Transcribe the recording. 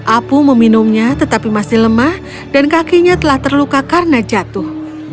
apu meminumnya tetapi masih lemah dan kakinya telah terluka karena jatuh